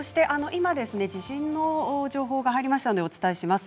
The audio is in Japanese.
今、地震の情報が入りましたのでお伝えします。